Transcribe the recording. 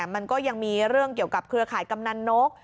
มันก็ยังมีเรื่องเกี่ยวกับเครือข่ายกำนันนก